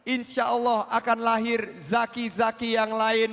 insya allah akan lahir zaki zaki yang lain